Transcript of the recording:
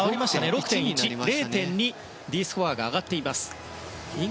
６．１ですから０．２、Ｄスコアが上がっています。